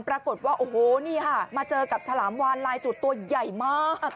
ปรากฏว่าโอ้โหนี่ค่ะมาเจอกับฉลามวานลายจุดตัวใหญ่มาก